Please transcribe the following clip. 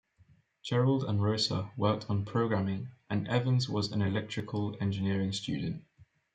Gerald and Rosa worked on programming and Evans was an electrical engineering student.